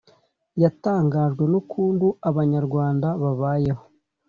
yatangajwe n'ukuntu Abanyarwanda babayeho